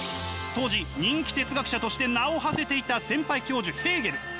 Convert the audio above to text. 当時人気哲学者として名をはせていた先輩教授ヘーゲル。